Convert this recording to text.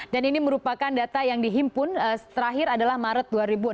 dan ini merupakan data yang dihimpun terakhir adalah maret dua ribu enam belas